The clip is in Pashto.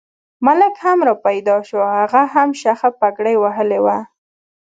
ملک هم را پیدا شو، هغه هم شخه پګړۍ وهلې وه.